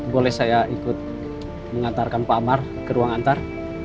boleh saya ikut mengantarkan pak amar ke ruang antar